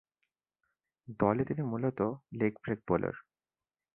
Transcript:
দলে তিনি মূলতঃ লেগ ব্রেক বোলার।